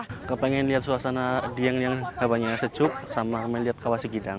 saya pengen lihat suasana diam yang banyak secuk sama melihat kawah segidang